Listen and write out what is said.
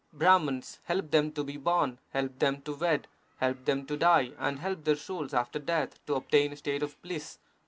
Brahmans help them to be born, help them to wed, help them to die, and help their souls after death to obtain a state of bliss.